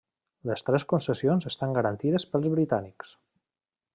Les tres concessions estan garantides pels britànics.